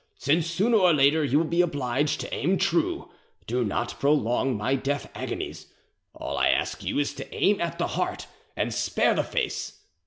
Since sooner or later you will be obliged to aim true, do not prolong my death agonies. All I ask you is to aim at the heart and spare the face.